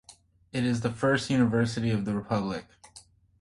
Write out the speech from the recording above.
It is the first university of the republic.